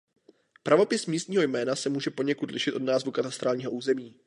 Pravopis místního jména se může poněkud lišit od názvu katastrálního území.